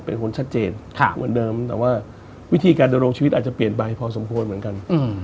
เป็นคนชัดเจนเหมือนเดิมแต่ว่าวิธีการดำรงชีวิตอาจจะเปลี่ยนไปพอสมควรเหมือนกัน